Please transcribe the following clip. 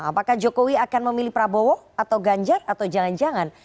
apakah jokowi akan memilih prabowo atau ganjar atau jangan jangan